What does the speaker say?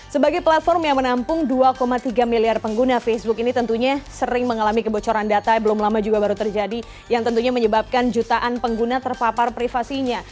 sebagai platform yang menampung dua tiga miliar pengguna facebook ini tentunya sering mengalami kebocoran data belum lama juga baru terjadi yang tentunya menyebabkan jutaan pengguna terpapar privasinya